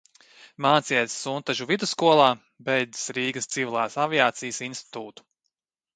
Mācījies Suntažu vidusskolā, beidzis Rīgas Civilās aviācijas institūtu.